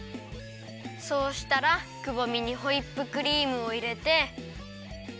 そうしたらくぼみにホイップクリームをいれて。